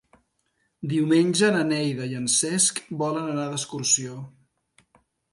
Diumenge na Neida i en Cesc volen anar d'excursió.